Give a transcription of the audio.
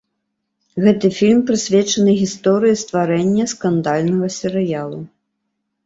Гэты фільм прысвечаны гісторыі стварэння скандальнага серыялу.